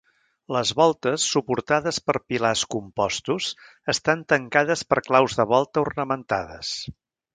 Les voltes, suportades per pilars compostos, estan tancades per claus de volta ornamentades.